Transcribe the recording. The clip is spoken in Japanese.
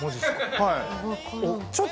はい。